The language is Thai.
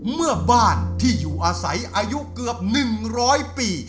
เมื่อบ้านที่อยู่อาศัยอายุเกือบ๑๐๐ปี